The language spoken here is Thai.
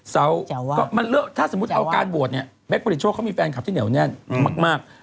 เจ๋วว่าเจ๋วว่ามันเลือกถ้าสมมุติเอาการบวชเนี่ยแบ๊กบริชโชคเขามีแฟนคลับที่เหนียวแน่นมาก